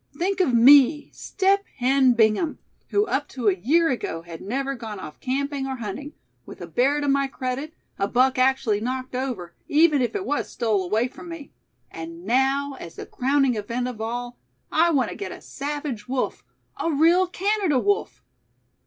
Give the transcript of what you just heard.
Think of me, Step Hen Bingham, who up to a year ago had never gone off camping or hunting, with a bear to my credit, a buck actually knocked over, even if it was stole away from me; and now, as the crowning event of all, I want to get a savage wolf, a real Canada wolf."